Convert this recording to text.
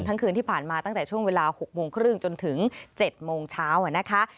คืนที่ผ่านมาตั้งแต่ช่วงเวลา๖โมงครึ่งจนถึง๗โมงเช้านะคะ